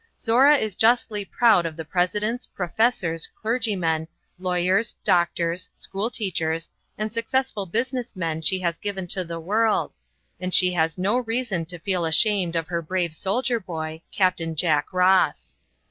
Zorra is justly proud of the presidents, professors, clergymen, lawyers, doctors, school teachers, and successful business men she has given to the world, and she has no reason to feel ashamed of her brave soldier boy, Capt. Jack Ross.